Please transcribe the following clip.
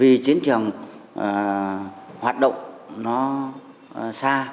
vì chiến trường hoạt động xa